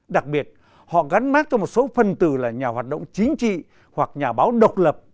đặc biệt họ gắn mát cho một số phân từ là nhà hoạt động chính trị hoặc nhà báo độc lập